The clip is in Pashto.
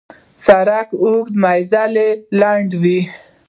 سړک اوږده مزلونه را لنډوي.